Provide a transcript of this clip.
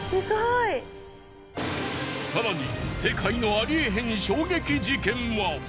更に世界のありえへん衝撃事件は。